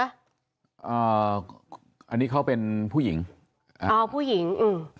อันนี้เขาเป็นผู้หญิงอ่าผู้หญิงอืม